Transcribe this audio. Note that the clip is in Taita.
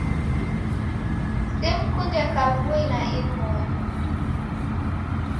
Simkunde kavui na inmoni.